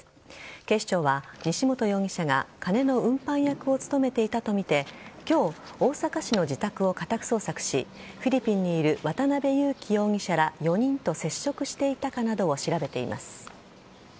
警視庁は西本容疑者が金の運搬役を務めていたとみて今日、大阪市の自宅を家宅捜索しフィリピンにいる渡辺優樹容疑者ら４人と接触していたかなどを調べています。